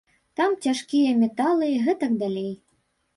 Там цяжкія металы і гэтак далей.